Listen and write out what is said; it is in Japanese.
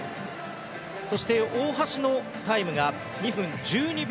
そして、大橋のタイムが２分１２秒０５。